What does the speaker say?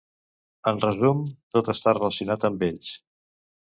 En resum, tot està relacionat amb ells!